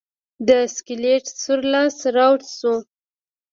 د سکلیټ سور لاس راوت شو.